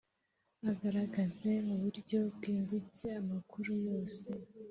agaragaze mu buryo bwimbitse amakuru yose.